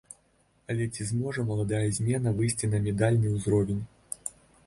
Але ці зможа маладая змена выйсці на медальны ўзровень?